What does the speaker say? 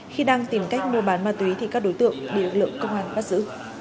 khi đang tìm cách mua bán ma túy thì các đối tượng bị lực lượng công an bắt giữ